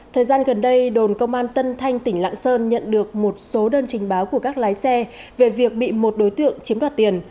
thời gian gần đây đồn công an tân thanh tỉnh lạng sơn nhận được một số đơn trình báo của các lái xe về việc bị một đối tượng chiếm đoạt tiền